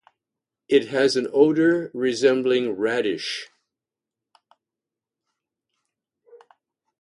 It has an odour resembling radish.